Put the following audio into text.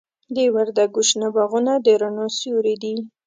د وردګو شنه باغونه د رڼا سیوري دي.